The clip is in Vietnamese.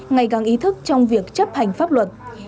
ngày càng ý thức trong việc chấp hành pháp luật